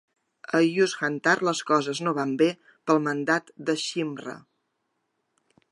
A Yuuzhan'tar, les coses no van bé pel mandat de Shimrra.